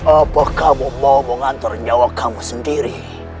apa kamu mau mengantar nyawa kamu sendiri